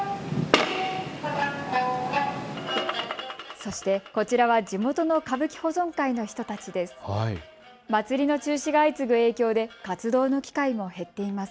そして、こちらは地元の歌舞伎保存会の人たちです。